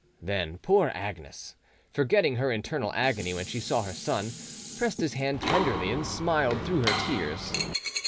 Then poor Agnes, forgetting her internal agony when she saw her son, pressed his hand tenderly and smiled through her tears.